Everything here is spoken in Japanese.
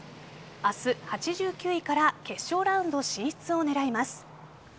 明日、８９位から決勝ラウンド進出を狙います。